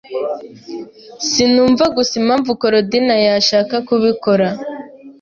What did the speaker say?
Sinumva gusa impamvu Korodina yashaka kubikora.